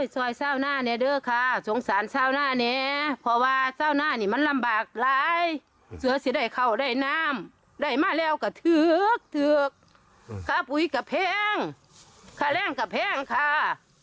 ก็อยากจะมาหาท่านนายกที่กรุงเทพนะคะ